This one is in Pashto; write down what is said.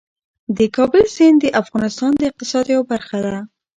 د کابل سیند د افغانستان د اقتصاد یوه برخه ده.